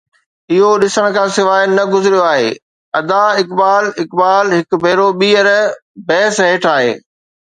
اهو ڏسڻ کان سواءِ نه گذريو آهي.ادا اقبال اقبال هڪ ڀيرو ٻيهر بحث هيٺ آهي.